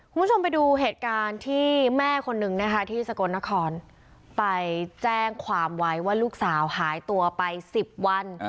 คุณผู้ชมไปดูเหตุการณ์ที่แม่คนนึงนะคะที่สกลนครไปแจ้งความไว้ว่าลูกสาวหายตัวไป๑๐วัน